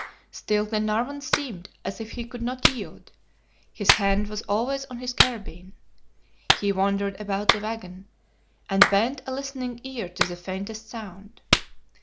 Still Glenarvan seemed as if he could not yield; his hand was always on his carbine. He wandered about the wagon, and bent a listening ear to the faintest sound.